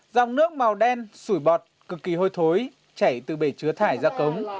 dòng nước màu đen sủi bọt cực kỳ hôi chảy từ bể chứa thải ra cống